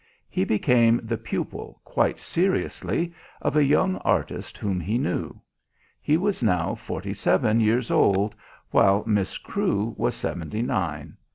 He became the pupil, quite seriously, of a young artist whom he knew. He was now forty seven years old, while Miss Crewe was seventy nine.